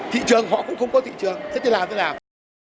thị trường họ cũng không có thị trường thế làm thế nào